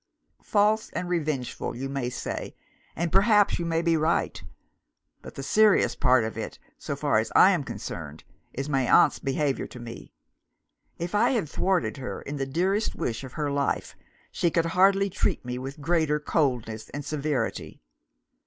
False and revengeful, you may say, and perhaps you may be right. But the serious part of it, so far as I am concerned, is my aunt's behaviour to me. If I had thwarted her in the dearest wish of her life, she could hardly treat me with greater coldness and severity.